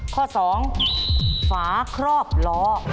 ข้อ๒ฝาครอบล้อ